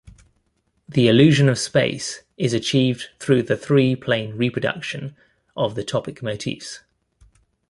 The illusion of space is achieved through the three-plane reproduction of the topic motifs.